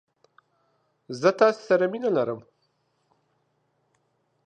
زه تاسې سره مينه ارم!